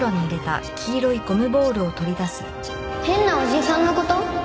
変なおじさんの事？